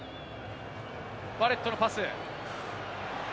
バレットのパス。。